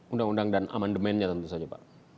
undang undang dan amandemennya tentu saja pak